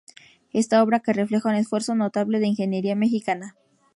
Esta obra que refleja un esfuerzo notable de ingeniería mexicana.